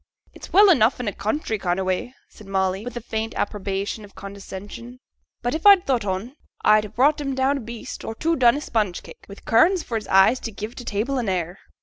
'It's well enough in a country kind o' way,' said Molly, with the faint approbation of condescension. 'But if I'd thought on, I'd ha' brought 'em down a beast or two done i' sponge cake, wi' currants for his eyes to give t' table an air.'